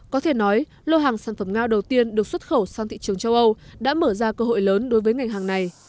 có thể nói lô hàng sản phẩm ngao đầu tiên được xuất khẩu sang thị trường châu âu đã mở ra cơ hội lớn đối với ngành hàng này